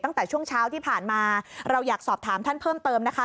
ตั้งแต่ช่วงเช้าที่ผ่านมาเราอยากสอบถามท่านเพิ่มเติมนะคะ